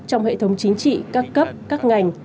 trong hệ thống chính trị các cấp các ngành